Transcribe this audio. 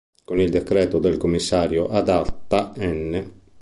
Con il decreto del commissario ad acta n.